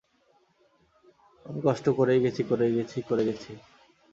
আমি কষ্ট করেই গেছি, করেই গেছি, করে গেছি।